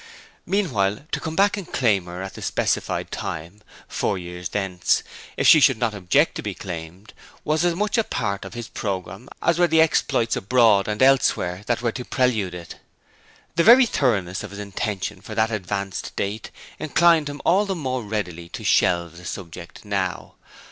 Meanwhile, to come back and claim her at the specified time, four years thence, if she should not object to be claimed, was as much a part of his programme as were the exploits abroad and elsewhere that were to prelude it. The very thoroughness of his intention for that advanced date inclined him all the more readily to shelve the subject now.